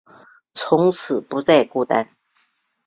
从此不再孤单